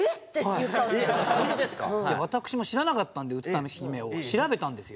私も知らなかったんでうつ田姫を調べたんですよ。